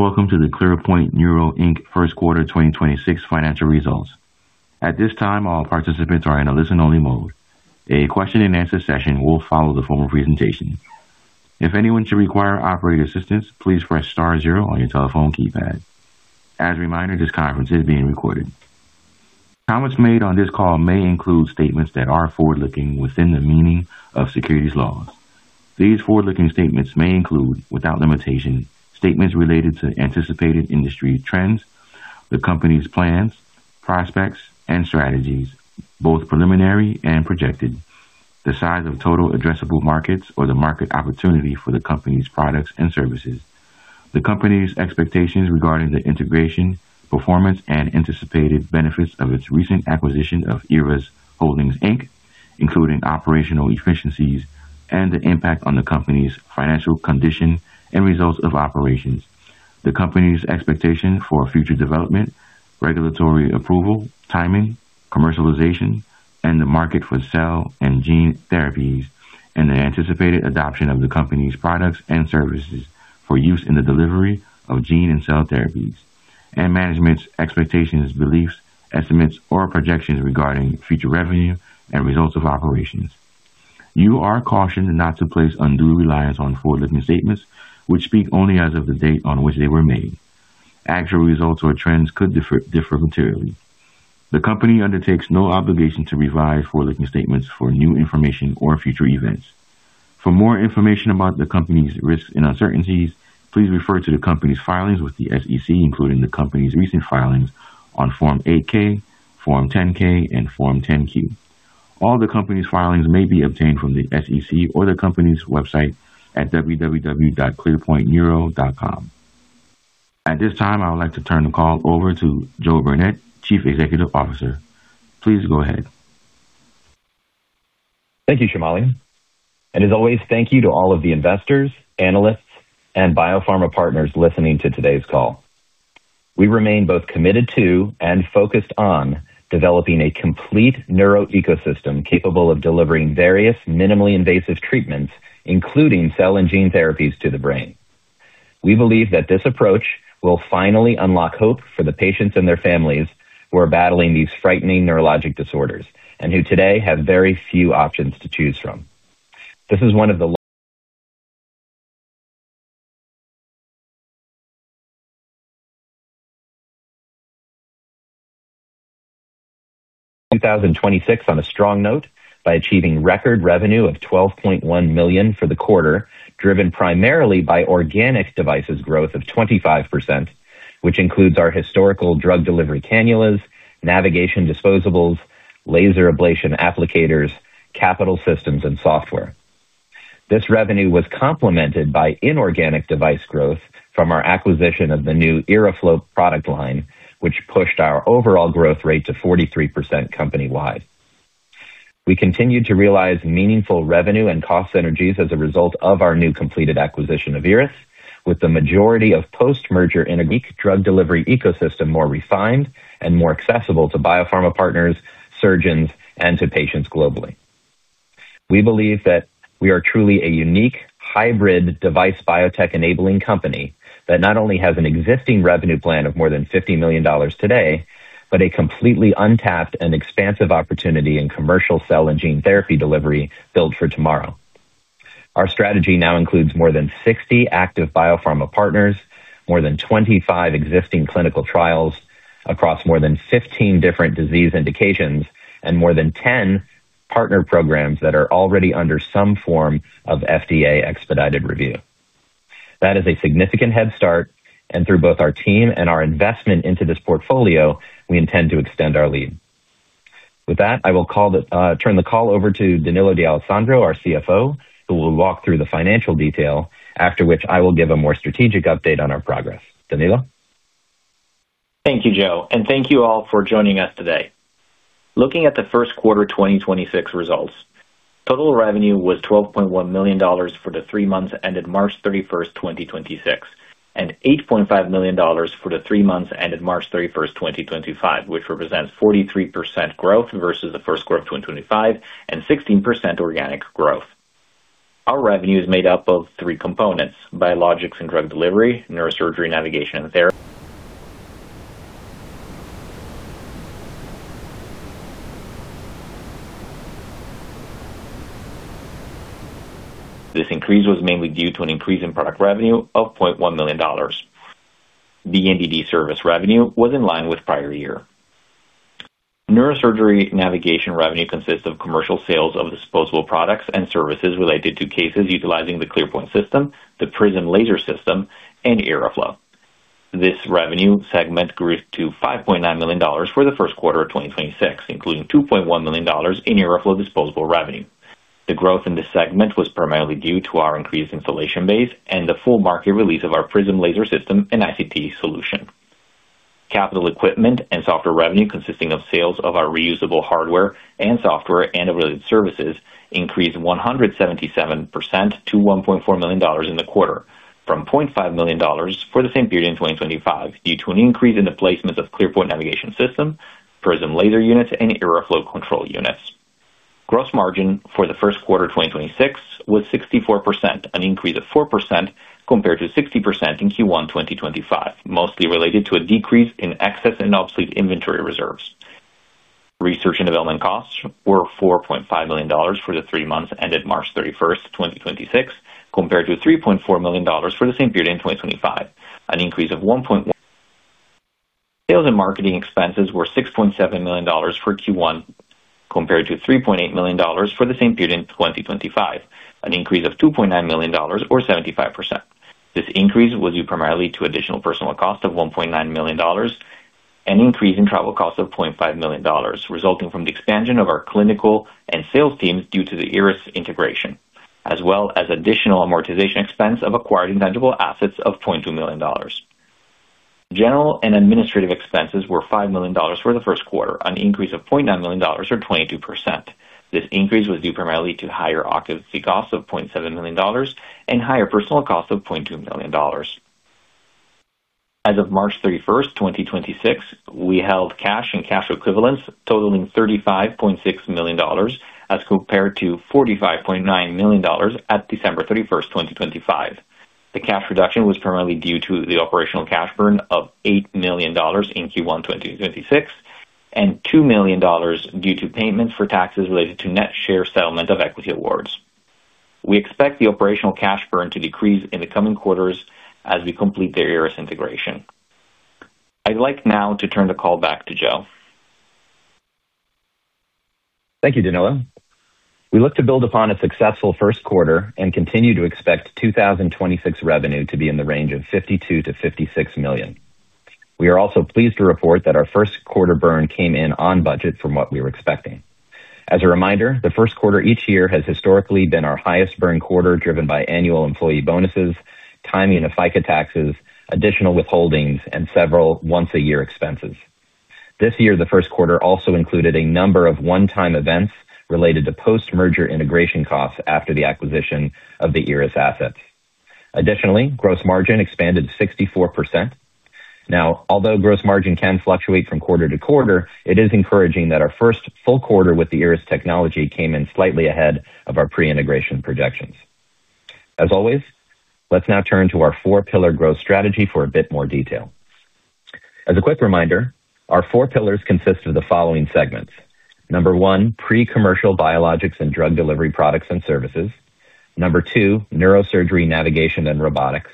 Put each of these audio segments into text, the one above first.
Greetings and welcome to the ClearPoint Neuro, Inc. first quarter 2026 financial results. At this time, all participants are in a listen-only mode. A question and answer session will follow the formal presentation. If anyone should require operator assistance, please press star zero on your telephone keypad. As a reminder, this conference is being recorded. Comments made on this call may include statements that are forward-looking within the meaning of securities laws. These forward-looking statements may include, without limitation, statements related to anticipated industry trends, the company's plans, prospects and strategies, both preliminary and projected, the size of total addressable markets or the market opportunity for the company's products and services, the company's expectations regarding the integration, performance and anticipated benefits of its recent acquisition of IRRAS Holdings, Inc., including operational efficiencies and the impact on the company's financial condition and results of operations, the company's expectation for future development, regulatory approval, timing, commercialization and the market for cell and gene therapies, and the anticipated adoption of the company's products and services for use in the delivery of gene and cell therapies, and management's expectations, beliefs, estimates, or projections regarding future revenue and results of operations. You are cautioned not to place undue reliance on forward-looking statements which speak only as of the date on which they were made. Actual results or trends could differ materially. The company undertakes no obligation to revise forward-looking statements for new information or future events. For more information about the company's risks and uncertainties, please refer to the company's filings with the SEC, including the company's recent filings on Form 8-K, Form 10-K, and Form 10-Q. All the company's filings may be obtained from the SEC or the company's website at www.clearpointneuro.com. At this time, I would like to turn the call over to Joe Burnett, Chief Executive Officer. Please go ahead. Thank you, Shamali, and as always, thank you to all of the investors, analysts and biopharma partners listening to today's call. We remain both committed to and focused on developing a complete neuro ecosystem capable of delivering various minimally invasive treatments, including cell and gene therapies, to the brain. We believe that this approach will finally unlock hope for the patients and their families who are battling these frightening neurologic disorders and who today have very few options to choose from. This is one of the, 2026 on a strong note by achieving record revenue of $12.1 million for the quarter, driven primarily by organic devices growth of 25%, which includes our historical drug delivery cannulas, navigation disposables, laser ablation applicators, capital systems and software. This revenue was complemented by inorganic device growth from our acquisition of the new IRRAflow product line, which pushed our overall growth rate to 43% company-wide. We continued to realize meaningful revenue and cost synergies as a result of our new completed acquisition of IRRAS. With the majority of post-merger and a great drug delivery ecosystem more refined and more accessible to biopharma partners, surgeons, and to patients globally. We believe that we are truly a unique hybrid device biotech enabling company that not only has an existing revenue plan of more than $50 million today, but a completely untapped and expansive opportunity in commercial cell and gene therapy delivery built for tomorrow. Our strategy now includes more than 60 active biopharma partners, more than 25 existing clinical trials across more than 15 different disease indications, and more than 10 partner programs that are already under some form of FDA expedited review. That is a significant head start, and through both our team and our investment into this portfolio, we intend to extend our lead. With that, I will turn the call over to Danilo D'Alessandro, our CFO, who will walk through the financial detail after which I will give a more strategic update on our progress. Danilo. Thank you, Joe, and thank you all for joining us today. Looking at the first quarter 2026 results, total revenue was $12.1 million for the three months ended March 31, 2026, and $8.5 million for the three months ended March 31, 2025, which represents 43% growth versus the first quarter of 2025 and 16% organic growth. Our revenue is made up of three components, Biologics & Drug Delivery, Neurosurgery Navigation and therapy. This increase was mainly due to an increase in product revenue of $0.1 million. B&D service revenue was in line with prior year. Neurosurgery Navigation revenue consists of commercial sales of disposable products and services related to cases utilizing the ClearPoint System, the Prism laser system and IRRAflow. This revenue segment grew to $5.9 million for the first quarter of 2026, including $2.1 million in IRRAflow disposable revenue. The growth in this segment was primarily due to our increased installation base and the full market release of our Prism laser system and ICT solution. Capital equipment and software revenue consisting of sales of our reusable hardware and software and related services increased 177% to $1.4 million in the quarter from $0.5 million for the same period in 2025, due to an increase in the placements of ClearPoint navigation system, Prism laser units and IRRAflow control units. Gross margin for the first quarter 2026 was 64%, an increase of 4% compared to 60% in Q1 2025, mostly related to a decrease in excess and obsolete inventory reserves. Research and development costs were $4.5 million for the three months ended March 31, 2026, compared to $3.4 million for the same period in 2025, an increase of $1.1 million. Sales and marketing expenses were $6.7 million for Q1, compared to $3.8 million for the same period in 2025, an increase of $2.9 million or 75%. This increase was due primarily to additional personal cost of $1.9 million, an increase in travel cost of $0.5 million, resulting from the expansion of our clinical and sales teams due to the IRRAS integration, as well as additional amortization expense of acquired intangible assets of $0.2 million. General and administrative expenses were $5 million for the first quarter, an increase of $0.9 million or 22%. This increase was due primarily to higher occupancy costs of $0.7 million and higher personnel cost of $0.2 million. As of March 31, 2026, we held cash and cash equivalents totaling $35.6 million as compared to $45.9 million at December 31, 2025. The cash reduction was primarily due to the operational cash burn of $8 million in Q1 2026 and $2 million due to payments for taxes related to net share settlement of equity awards. We expect the operational cash burn to decrease in the coming quarters as we complete the IRRAS integration. I'd like now to turn the call back to Joe. Thank you, Danilo. We look to build upon a successful first quarter and continue to expect 2026 revenue to be in the range of $52 million-$56 million. We are also pleased to report that our first quarter burn came in on budget from what we were expecting. As a reminder, the first quarter each year has historically been our highest burn quarter, driven by annual employee bonuses, timing of FICA taxes, additional withholdings, and several once-a-year expenses. This year, the first quarter also included a number of one-time events related to post-merger integration costs after the acquisition of the IRRAS assets. Additionally, gross margin expanded 64%. Now, although gross margin can fluctuate from quarter to quarter, it is encouraging that our first full quarter with the IRRAS technology came in slightly ahead of our pre-integration projections. As always, let's now turn to our four pillar growth strategy for a bit more detail. As a quick reminder, our four pillars consist of the following segments. Number one, pre-commercial Biologics & Drug Delivery products and services. Number two, Neurosurgery Navigation and robotics.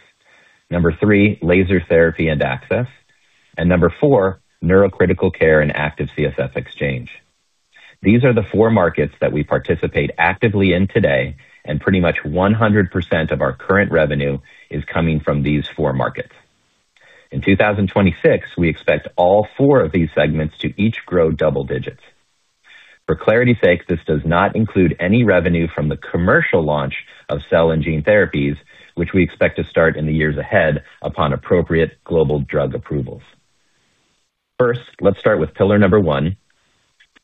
Number three, laser therapy and access. Number four, neurocritical care and active CSF exchange. These are the four markets that we participate actively in today, and pretty much 100% of our current revenue is coming from these four markets. In 2026, we expect all four of these segments to each grow double digits. For clarity's sake, this does not include any revenue from the commercial launch of cell and gene therapies, which we expect to start in the years ahead upon appropriate global drug approvals. First, let's start with pillar number one,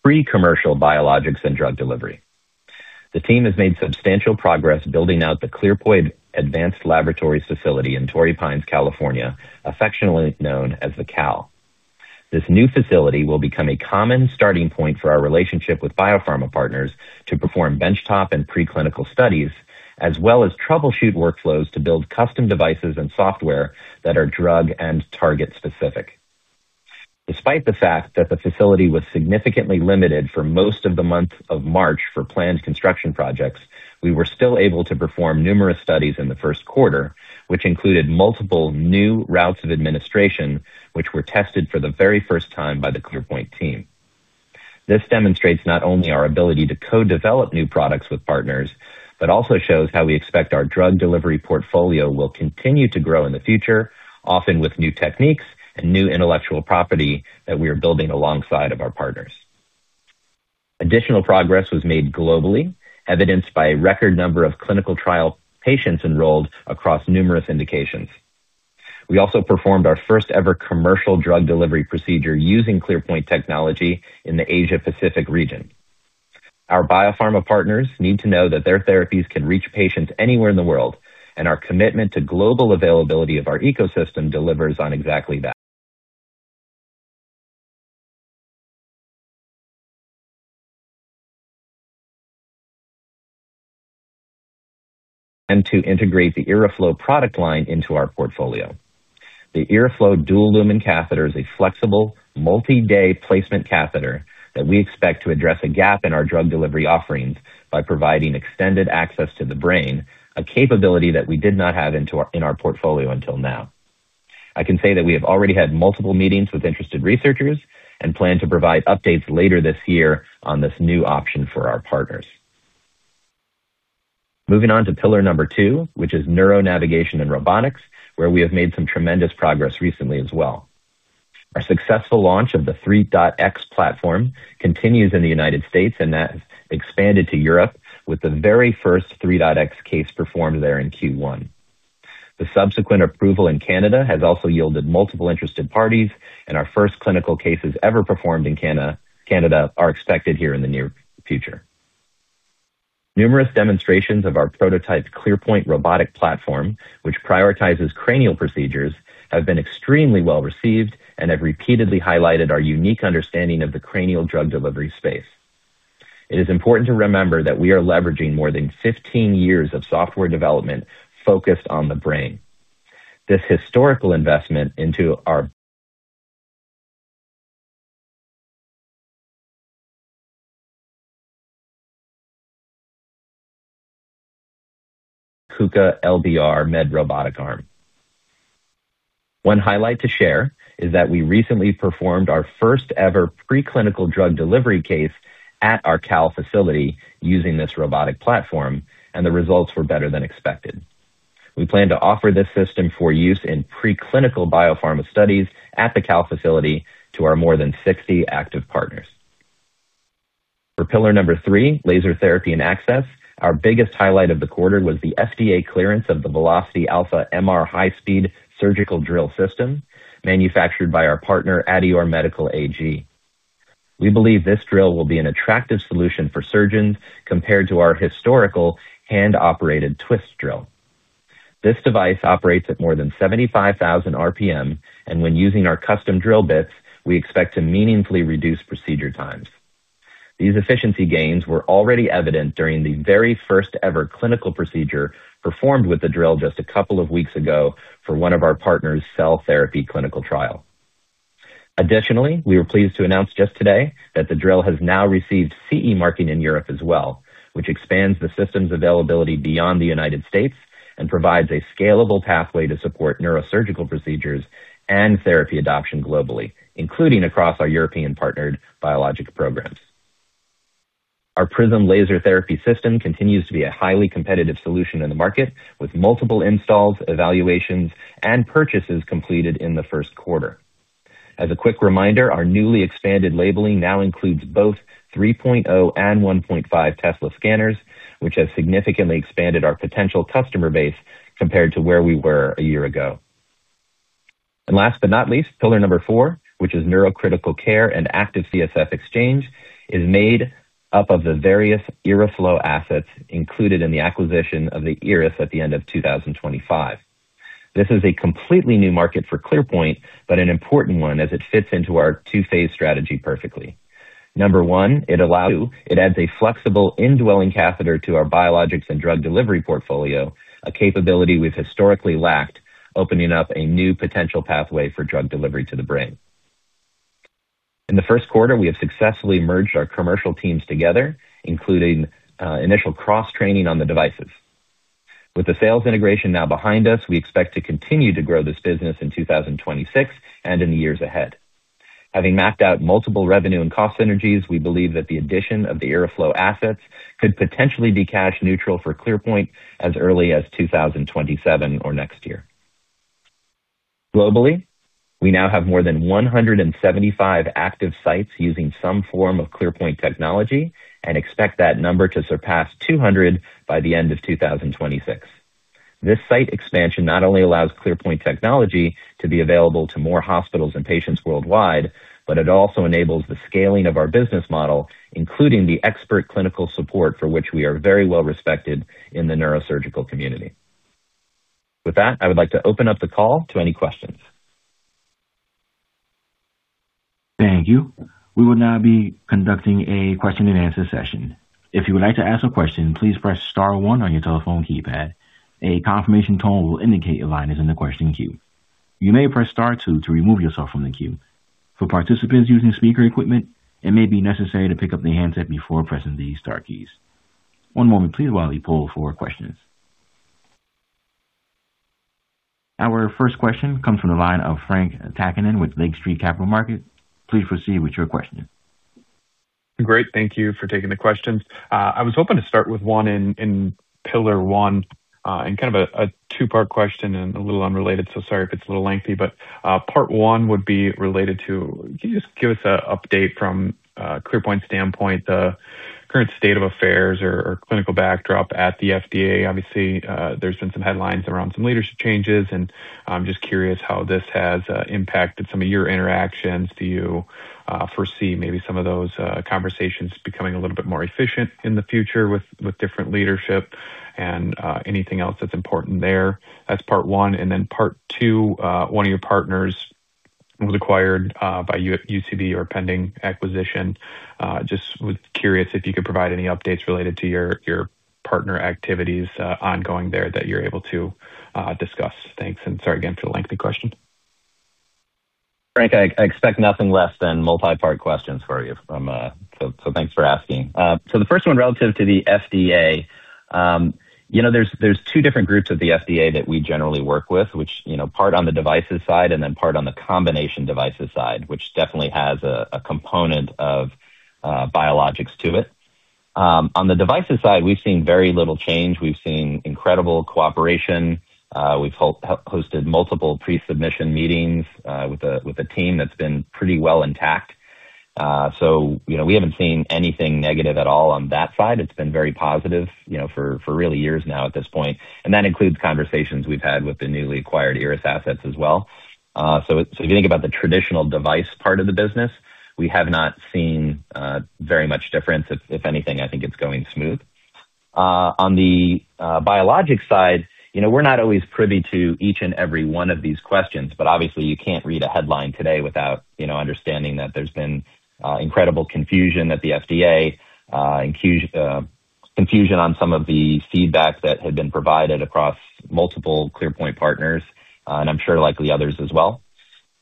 pre-commercial Biologics & Drug Delivery. The team has made substantial progress building out the ClearPoint Advanced Laboratories facility in Torrey Pines, California, affectionately known as the CAL. This new facility will become a common starting point for our relationship with biopharma partners to perform benchtop and preclinical studies, as well as troubleshoot workflows to build custom devices and software that are drug and target specific. Despite the fact that the facility was significantly limited for most of the month of March for planned construction projects, we were still able to perform numerous studies in the first quarter, which included multiple new routes of administration, which were tested for the very first time by the ClearPoint team. This demonstrates not only our ability to co-develop new products with partners, but also shows how we expect our drug delivery portfolio will continue to grow in the future, often with new techniques and new intellectual property that we are building alongside of our partners. Additional progress was made globally, evidenced by a record number of clinical trial patients enrolled across numerous indications. We also performed our first ever commercial drug delivery procedure using ClearPoint technology in the Asia Pacific region. Our biopharma partners need to know that their therapies can reach patients anywhere in the world, and our commitment to global availability of our ecosystem delivers on exactly that. To integrate the IRRAflow product line into our portfolio. The IRRAflow dual lumen catheter is a flexible, multi-day placement catheter that we expect to address a gap in our drug delivery offerings by providing extended access to the brain, a capability that we did not have in our portfolio until now. I can say that we have already had multiple meetings with interested researchers and plan to provide updates later this year on this new option for our partners. Moving on to pillar number two, which is neuro navigation and robotics, where we have made some tremendous progress recently as well. Our successful launch of the 3.x platform continues in the U.S., and that expanded to Europe with the very first 3.x case performed there in Q1. The subsequent approval in Canada has also yielded multiple interested parties. Our first clinical cases ever performed in Canada are expected here in the near future. Numerous demonstrations of our prototype ClearPoint robotic platform, which prioritizes cranial procedures, have been extremely well received and have repeatedly highlighted our unique understanding of the cranial drug delivery space. It is important to remember that we are leveraging more than 15 years of software development focused on the brain. This historical investment into our KUKA LBR Med robotic arm. One highlight to share is that we recently performed our first-ever preclinical drug delivery case at our CAL facility using this robotic platform, and the results were better than expected. We plan to offer this system for use in preclinical biopharma studies at the CAL facility to our more than 60 active partners. For pillar number three, laser therapy and access, our biggest highlight of the quarter was the FDA clearance of the Velocity Alpha MR high-speed surgical drill system manufactured by our partner, adeor medical AG. We believe this drill will be an attractive solution for surgeons compared to our historical hand-operated twist drill. This device operates at more than 75,000 RPM, and when using our custom drill bits, we expect to meaningfully reduce procedure times. These efficiency gains were already evident during the very first-ever clinical procedure performed with the drill just a couple of weeks ago for one of our partners' cell therapy clinical trial. Additionally, we were pleased to announce just today that the drill has now received CE marking in Europe as well, which expands the system's availability beyond the U.S. and provides a scalable pathway to support neurosurgical procedures and therapy adoption globally, including across our European partnered biologic programs. Our Prism laser therapy system continues to be a highly competitive solution in the market, with multiple installs, evaluations, and purchases completed in the first quarter. As a quick reminder, our newly expanded labeling now includes both 3.0 and 1.5 Tesla scanners, which has significantly expanded our potential customer base compared to where we were a year ago. Last but not least, pillar number four, which is neurocritical care and active CSF exchange, is made up of the various IRRAflow assets included in the acquisition of the IRRAS at the end of 2025. This is a completely new market for ClearPoint, but an important one as it fits into our two-phase strategy perfectly. Number one, it adds a flexible indwelling catheter to our Biologics & Drug Delivery portfolio, a capability we've historically lacked, opening up a new potential pathway for drug delivery to the brain. In the first quarter, we have successfully merged our commercial teams together, including initial cross-training on the devices. With the sales integration now behind us, we expect to continue to grow this business in 2026 and in the years ahead. Having mapped out multiple revenue and cost synergies, we believe that the addition of the IRRAflow assets could potentially be cash neutral for ClearPoint as early as 2027 or next year. Globally, we now have more than 175 active sites using some form of ClearPoint technology and expect that number to surpass 200 by the end of 2026. This site expansion not only allows ClearPoint technology to be available to more hospitals and patients worldwide, but it also enables the scaling of our business model, including the expert clinical support for which we are very well-respected in the neurosurgical community. With that, I would like to open up the call to any questions. Thank you. We will now be conducting a question-and-answer session. If you would like to ask a question, please press star one on your telephone keypad. A confirmation tone will indicate your line is in the question queue. You may press star two to remove yourself from the queue. For participants using speaker equipment, it may be necessary to pick up the handset before pressing the star keys. One moment please while we pull for questions. Our first question comes from the line of Frank Takkinen with Lake Street Capital Markets. Please proceed with your question. Great. Thank you for taking the questions. I was hoping to start with one in pillar one, and kind of a two-part question and a little unrelated, so sorry if it's a little lengthy, but part one would be related to can you just give us a update from ClearPoint's standpoint, the current state of affairs or clinical backdrop at the FDA? Obviously, there's been some headlines around some leadership changes, and I'm just curious how this has impacted some of your interactions. Do you foresee maybe some of those conversations becoming a little bit more efficient in the future with different leadership and anything else that's important there? That's part one. Part two, one of your partners was acquired by UCB or pending acquisition. Just was curious if you could provide any updates related to your partner activities, ongoing there that you're able to discuss. Thanks, sorry again for the lengthy question. Frank, I expect nothing less than multi-part questions for you. Thanks for asking. The first one relative to the FDA, you know, there's two different groups at the FDA that we generally work with, which, you know, part on the devices side and then part on the combination devices side, which definitely has a component of biologics to it. On the devices side, we've seen very little change. We've seen incredible cooperation. We've hosted multiple pre-submission meetings with a team that's been pretty well intact. You know, we haven't seen anything negative at all on that side. It's been very positive, you know, for really years now at this point. That includes conversations we've had with the newly acquired IRRAS assets as well. If you think about the traditional device part of the business, we have not seen very much difference. If anything, I think it's going smooth. On the biologic side, you know, we're not always privy to each and every one of these questions, but obviously you can't read a headline today without, you know, understanding that there's been incredible confusion at the FDA, confusion on some of the feedback that had been provided across multiple ClearPoint partners, and I'm sure likely others as well.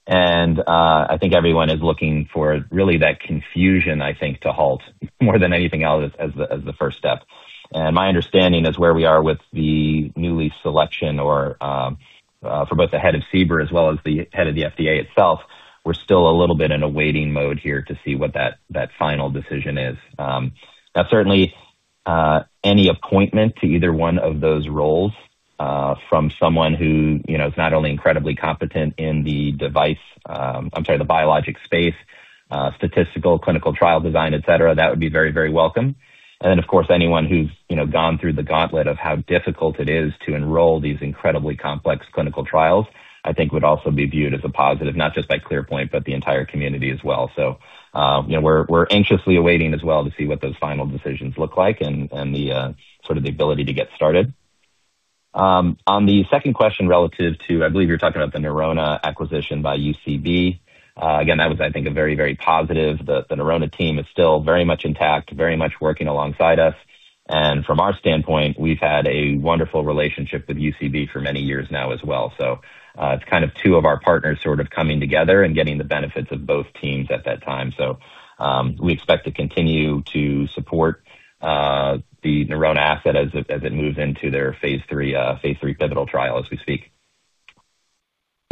I think everyone is looking for really that confusion, I think, to halt more than anything else as the first step. My understanding is where we are with the newly selection or for both the Head of CBER as well as the Head of the FDA itself, we're still a little bit in a waiting mode here to see what that final decision is. Now certainly, any appointment to either one of those roles, from someone who, you know, is not only incredibly competent in the device, the biologic space, statistical, clinical trial design, et cetera, that would be very welcome. Of course, anyone who's, you know, gone through the gauntlet of how difficult it is to enroll these incredibly complex clinical trials, I think would also be viewed as a positive, not just by ClearPoint, but the entire community as well. You know, we're anxiously awaiting as well to see what those final decisions look like and the sort of the ability to get started. On the second question relative to, I believe you're talking about the Neurona acquisition by UCB. Again, that was, I think, a very positive. The Neurona team is still very much intact, very much working alongside us. From our standpoint, we've had a wonderful relationship with UCB for many years now as well. It's kind of two of our partners sort of coming together and getting the benefits of both teams at that time. We expect to continue to support the Neurona asset as it moves into their phase III, phase III pivotal trial as we speak.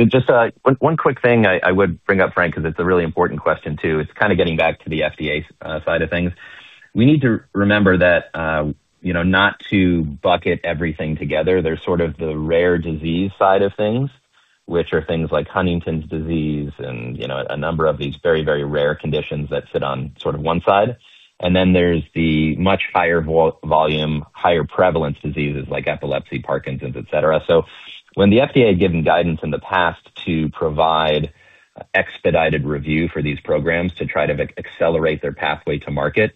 Just one quick thing I would bring up, Frank, 'cause it's a really important question too. It's kind of getting back to the FDA side of things. We need to remember that, you know, not to bucket everything together. There's sort of the rare disease side of things, which are things like Huntington's disease and, you know, a number of these very, very rare conditions that sit on sort of one side. Then there's the much higher volume, higher prevalence diseases like epilepsy, Parkinson's, et cetera. When the FDA had given guidance in the past to provide expedited review for these programs to try to accelerate their pathway to market,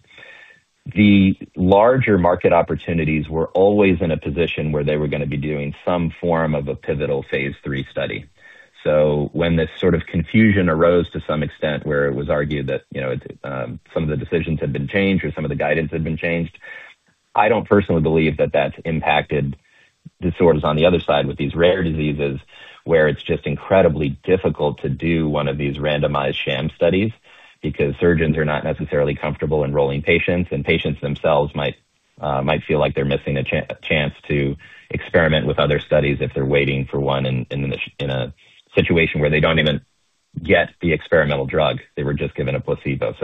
the larger market opportunities were always in a position where they were gonna be doing some form of a pivotal phase III study. When this sort of confusion arose to some extent where it was argued that, you know, it, some of the decisions had been changed or some of the guidance had been changed, I don't personally believe that that's impacted disorders on the other side with these rare diseases, where it's just incredibly difficult to do one of these randomized sham studies because surgeons are not necessarily comfortable enrolling patients, and patients themselves might feel like they're missing a chance to experiment with other studies if they're waiting for one in a situation where they don't even get the experimental drug. They were just given a placebo.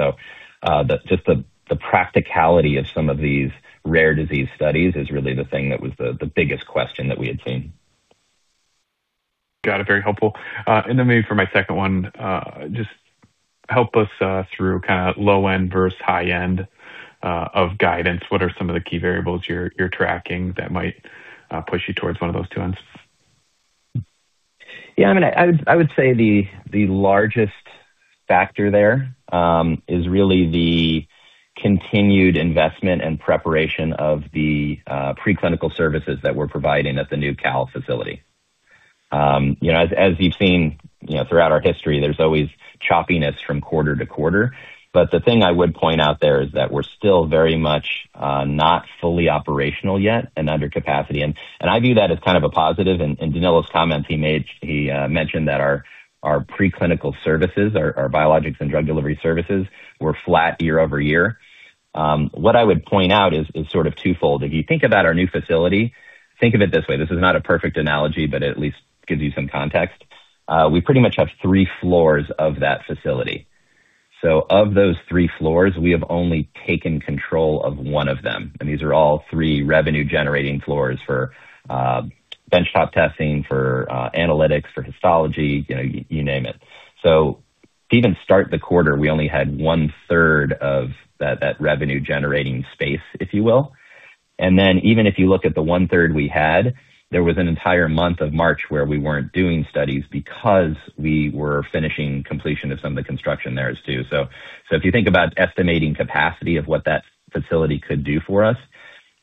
The practicality of some of these rare disease studies is really the thing that was the biggest question that we had seen. Got it. Very helpful. Maybe for my second one, just help us through kinda low end versus high end of guidance. What are some of the key variables you're tracking that might push you towards one of those two ends? Yeah, I mean, I would say the largest factor there is really the continued investment and preparation of the preclinical services that we're providing at the new CAL facility. You know, as you've seen, you know, throughout our history, there's always choppiness from quarter to quarter. The thing I would point out there is that we're still very much not fully operational yet and under capacity, and I view that as kind of a positive. In Danilo's comments he made, he mentioned that our preclinical services, our Biologics & Drug Delivery services were flat year-over-year. What I would point out is sort of twofold. If you think about our new facility, think of it this way. This is not a perfect analogy, at least gives you some context. We pretty much have three floors of that facility. Of those three floors, we have only taken control of one of them, and these are all three revenue generating floors for benchtop testing, for analytics, for histology, you know, you name it. To even start the quarter, we only had one third of that revenue generating space, if you will. Even if you look at the 1/3 we had, there was an entire month of March where we weren't doing studies because we were finishing completion of some of the construction there as too. If you think about estimating capacity of what that facility could do for us,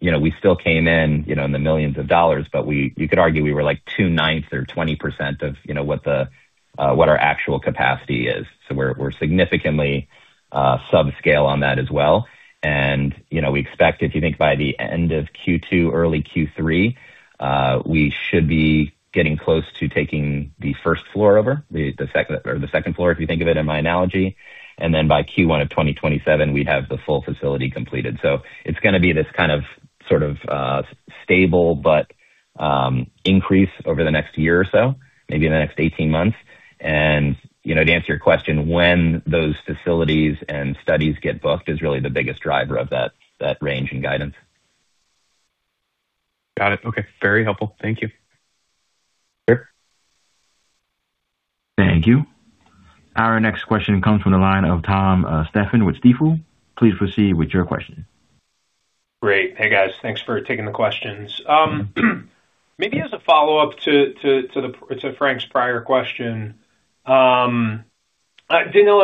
you know, we still came in, you know, in the millions of dollars, but we, you could argue we were like 2/9 or 20% of, you know, what our actual capacity is. We're significantly subscale on that as well. You know, we expect if you think by the end of Q2, early Q3, we should be getting close to taking the first floor over, the second floor, if you think of it in my analogy. By Q1 of 2027, we'd have the full facility completed. It's gonna be this kind of, sort of, stable, but increase over the next year or so, maybe in the next 18 months. You know, to answer your question, when those facilities and studies get booked is really the biggest driver of that range in guidance. Got it. Okay. Very helpful. Thank you. Sure. Thank you. Our next question comes from the line of Tom Stephan with Stifel. Please proceed with your question. Great. Hey, guys. Thanks for taking the questions. Maybe as a follow-up to Frank's prior question, Danilo,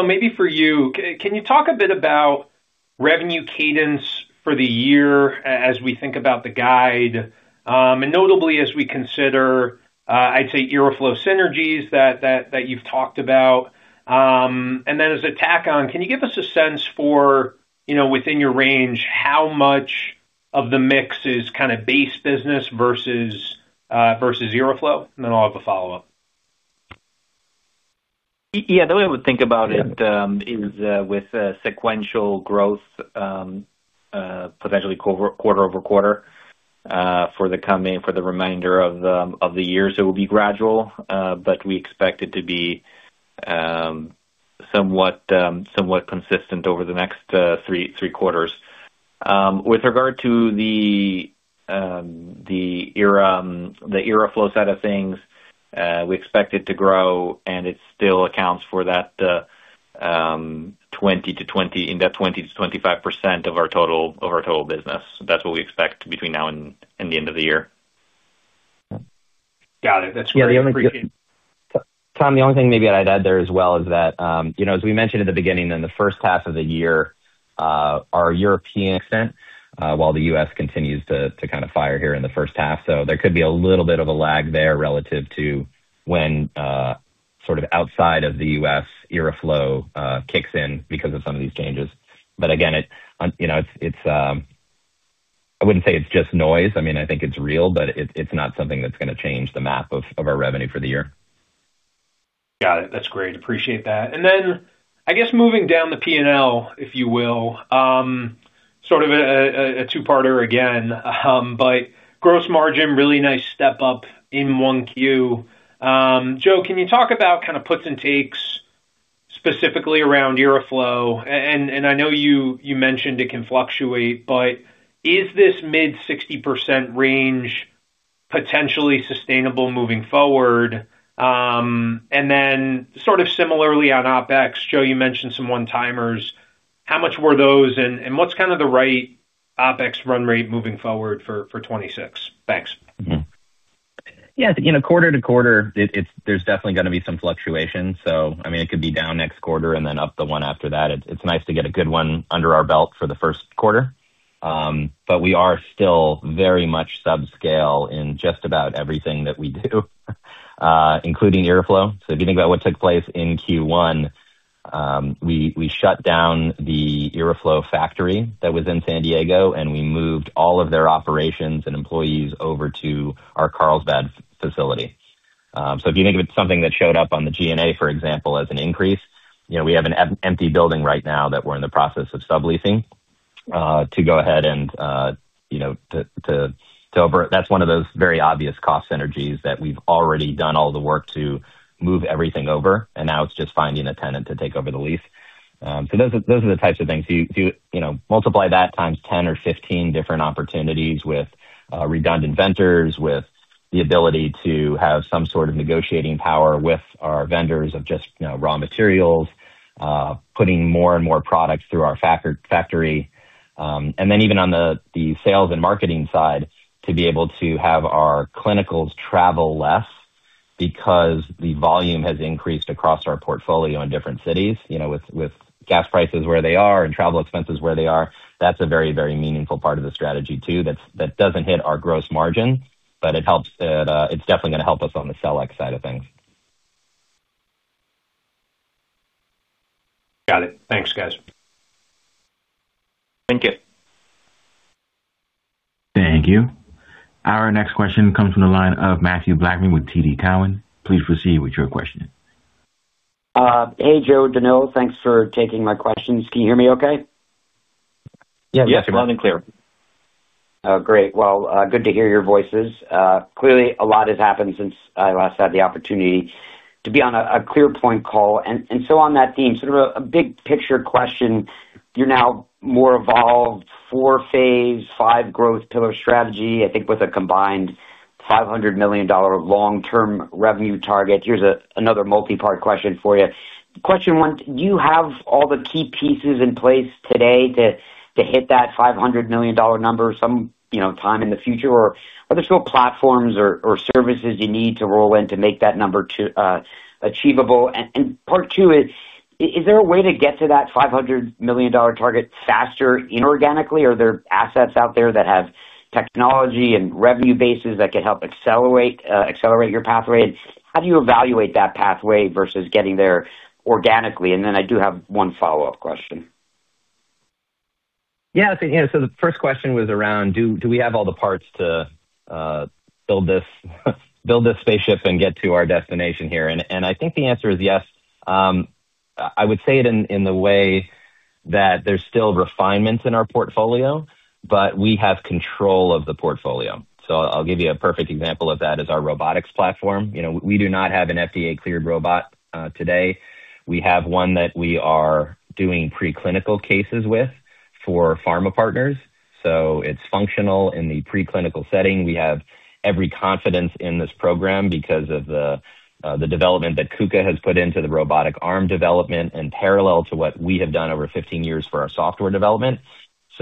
maybe for you, can you talk a bit about revenue cadence for the year as we think about the guide, and notably as we consider, I'd say IRRAflow synergies that you've talked about. And then as a tack on, can you give us a sense for, you know, within your range, how much of the mix is kinda base business versus versus IRRAflow? And then I'll have a follow-up. Yeah, the way I would think about it is with sequential growth potentially quarter-over-quarter for the remainder of the year. It will be gradual, but we expect it to be somewhat consistent over the next three quarters. With regard to the IRRAflow side of things, we expect it to grow, and it still accounts for in that 20%-25% of our total business. That's what we expect between now and the end of the year. Got it. That's great. Tom, the only thing maybe I'd add there as well is that, you know, as we mentioned at the beginning, in the first half of the year, our European extent, while the U.S. continues to kind of fire here in the first half. There could be a little bit of a lag there relative to when, sort of outside of the U.S. IRRAflow kicks in because of some of these changes. Again, it, you know, it's I wouldn't say it's just noise. I mean, I think it's real, but it's not something that's gonna change the math of our revenue for the year. Got it. That's great. Appreciate that. Then I guess moving down the P&L, if you will, sort of a two-parter again. Gross margin, really nice step up in 1Q. Joe, can you talk about kind of puts and takes specifically around IRRAflow? I know you mentioned it can fluctuate, but is this mid-60% range potentially sustainable moving forward? Then sort of similarly on OpEx, Joe, you mentioned some one-timers. How much were those? What's kind of the right OpEx run rate moving forward for 2026? Thanks. You know, quarter to quarter there's definitely gonna be some fluctuation. I mean, it could be down next quarter and then up the one after that. It's nice to get a good one under our belt for the first quarter. But we are still very much subscale in just about everything that we do, including IRRAflow. If you think about what took place in Q1, we shut down the IRRAflow factory that was in San Diego, and we moved all of their operations and employees over to our Carlsbad facility. If you think of it something that showed up on the G&A, for example, as an increase, you know, we have an empty building right now that we're in the process of subleasing, to go ahead and, you know. That's one of those very obvious cost synergies that we've already done all the work to move everything over, and now it's just finding a tenant to take over the lease. Those are the types of things. You know, multiply that times 10 or 15 different opportunities with redundant vendors, with the ability to have some sort of negotiating power with our vendors of just, you know, raw materials, putting more and more products through our factory. Even on the sales and marketing side, to be able to have our clinicals travel less because the volume has increased across our portfolio in different cities. You know, with gas prices where they are and travel expenses where they are, that's a very, very meaningful part of the strategy too that's, that doesn't hit our gross margin, but it helps, it's definitely gonna help us on the SG&A side of things. Got it. Thanks, guys. Thank you. Thank you. Our next question comes from the line of Mathew Blackman with TD Cowen. Please proceed with your question. Hey, Joe, Danilo. Thanks for taking my questions. Can you hear me okay? Yes. Yes, loud and clear. Great. Well, good to hear your voices. Clearly a lot has happened since I last had the opportunity to be on a ClearPoint call. On that theme, sort of a big picture question. You're now more evolved, four phase, five-growth pillar strategy, I think with a combined $500 million long-term revenue target. Here's another multi-part question for you. Question one, do you have all the key pieces in place today to hit that $500 million number some, you know, time in the future, or are there still platforms or services you need to roll in to make that number achievable? Part two is there a way to get to that $500 million target faster inorganically? Are there assets out there that have technology and revenue bases that could help accelerate your pathway? How do you evaluate that pathway versus getting there organically? I do have one follow-up question. Yeah. You know, the first question was around do we have all the parts to build this spaceship and get to our destination here? And I think the answer is yes. I would say it in the way that there's still refinements in our portfolio, but we have control of the portfolio. I'll give you a perfect example of that is our robotics platform. You know, we do not have an FDA-cleared robot today. We have one that we are doing preclinical cases with for pharma partners, so it's functional in the preclinical setting. We have every confidence in this program because of the development that KUKA has put into the robotic arm development and parallel to what we have done over 15 years for our software development.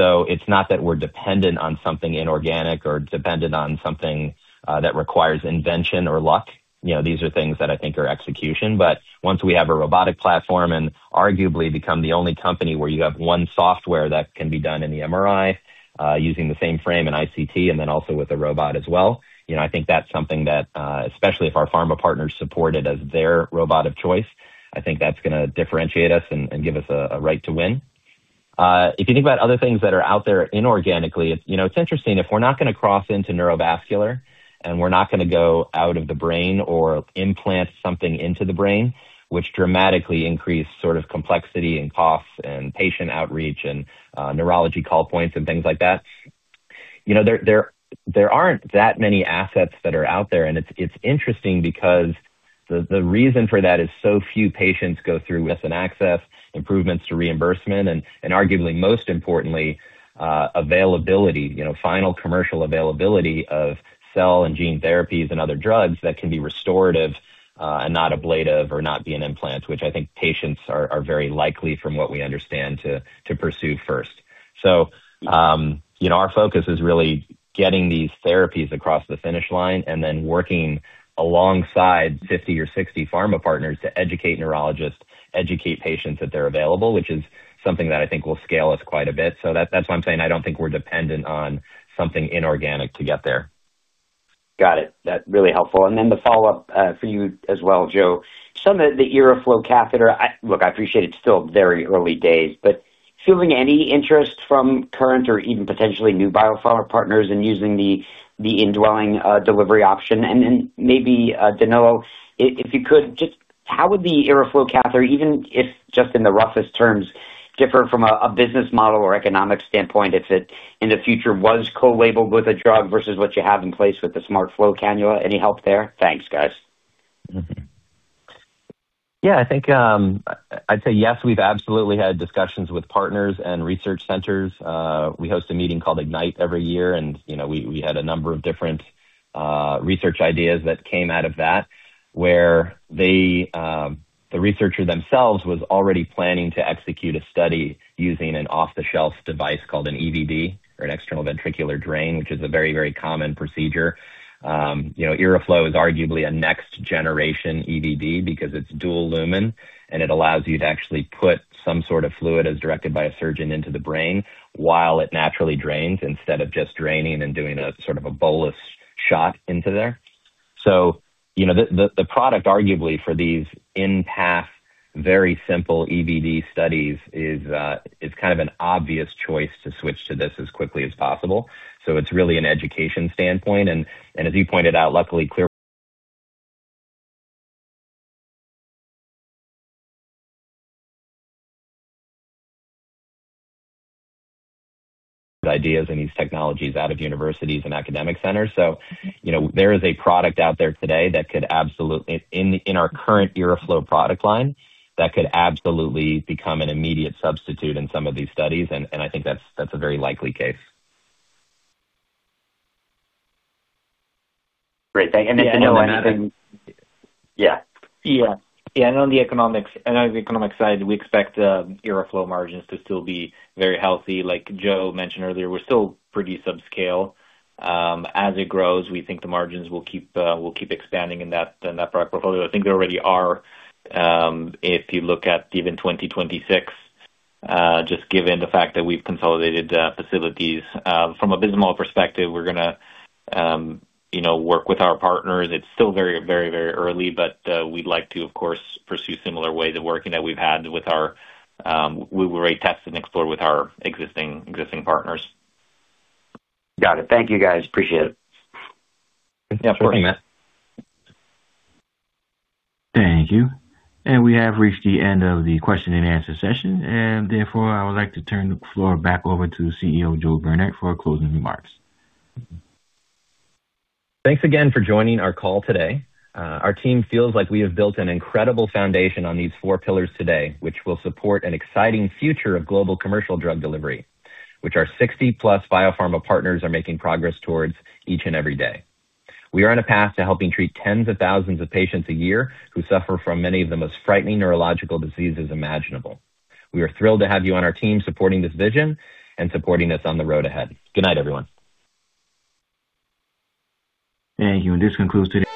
It's not that we're dependent on something inorganic or dependent on something that requires invention or luck. You know, these are things that I think are execution. Once we have a robotic platform and arguably become the only company where you have one software that can be done in the MRI, using the same frame and ICT and then also with a robot as well, you know, I think that's something that, especially if our pharma partners support it as their robot of choice, I think that's gonna differentiate us and give us a right to win. If you think about other things that are out there inorganically, you know, it's interesting. If we're not gonna cross into neurovascular, and we're not gonna go out of the brain or implant something into the brain, which dramatically increase sort of complexity and costs and patient outreach and neurology call points and things like that, you know, there aren't that many assets that are out there. It's interesting because the reason for that is so few patients go through is access, improvements to reimbursement and arguably most importantly, availability, you know, final commercial availability of cell and gene therapies and other drugs that can be restorative and not ablative or not be an implant, which I think patients are very likely, from what we understand, to pursue first. You know, our focus is really getting these therapies across the finish line and then working alongside 50 or 60 pharma partners to educate neurologists, educate patients that they're available, which is something that I think will scale us quite a bit. That's why I'm saying I don't think we're dependent on something inorganic to get there. Got it. That's really helpful. The follow-up for you as well, Joe. Some of the IRRAflow catheter. Look, I appreciate it's still very early days, but feeling any interest from current or even potentially new biopharma partners in using the indwelling delivery option. Maybe Danilo, if you could, just how would the IRRAflow catheter, even if just in the roughest terms, differ from a business model or economic standpoint if it, in the future, was co-labeled with a drug versus what you have in place with the SmartFlow Cannula? Any help there? Thanks, guys. Yeah. I think, I'd say yes, we've absolutely had discussions with partners and research centers. We host a meeting called IGNITE every year, you know, we had a number of different research ideas that came out of that where they, the researcher themselves was already planning to execute a study using an off-the-shelf device called an EVD or an external ventricular drain, which is a very, very common procedure. You know, IRRAflow is arguably a next generation EVD because it's dual lumen, it allows you to actually put some sort of fluid as directed by a surgeon into the brain while it naturally drains instead of just draining and doing a sort of a bolus shot into there. You know, the product arguably for these in-path, very simple EVD studies is kind of an obvious choice to switch to this as quickly as possible. It's really an education standpoint. As you pointed out, luckily, ClearPoint Neuro ideas and these technologies out of universities and academic centers. You know, there is a product out there today that could absolutely in our current IRRAflow product line, that could absolutely become an immediate substitute in some of these studies, and I think that's a very likely case. Great. Yeah. Yeah. Yeah, on the economic side, we expect IRRAflow margins to still be very healthy. Like Joe mentioned earlier, we're still pretty subscale. As it grows, we think the margins will keep expanding in that product portfolio. I think they already are, if you look at even 2026, just given the fact that we've consolidated facilities. From a business model perspective, we're gonna, you know, work with our partners. It's still very, very, very early, but we'd like to, of course, pursue similar ways of working that we've had with our, we've already tested and explored with our existing partners. Got it. Thank you, guys. Appreciate it. Yeah. Sure. Thank you. We have reached the end of the question and answer session. Therefore, I would like to turn the floor back over to CEO Joe Burnett for closing remarks. Thanks again for joining our call today. Our team feels like we have built an incredible foundation on these four pillars today, which will support an exciting future of global commercial drug delivery, which our 60+ biopharma partners are making progress towards each and every day. We are on a path to helping treat tens of thousands of patients a year who suffer from many of the most frightening neurological diseases imaginable. We are thrilled to have you on our team supporting this vision and supporting us on the road ahead. Good night, everyone. Thank you. This concludes today's